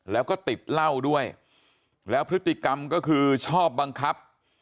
แล้วก็ติดเหล้าด้วยแล้วพฤติกรรมก็คือชอบบังคับ